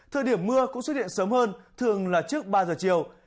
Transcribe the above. thời điểm mưa cũng xuất hiện sớm hơn thường là trước ba giờ chiều